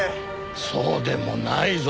そうでもないぞ。